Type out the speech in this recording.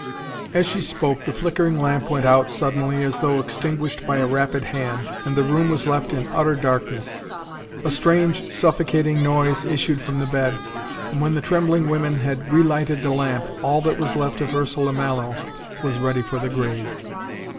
As she spoke the flickering lamp went out suddenly as though extinguished by a rapid hand, and the room was left in utter darkness. A strange suffocating noise issued from the bed, and when the trembling women had relighted the lamp, all that was left of Ursula Mallow was ready for the grave.